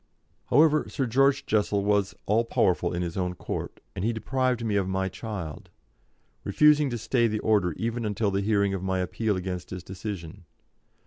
However, Sir George Jessel was all powerful in his own court, and he deprived me of my child, refusing to stay the order even until the hearing of my appeal against his decision.